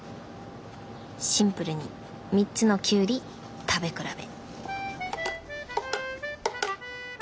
シンプルに３つのキュウリ食べ比べ。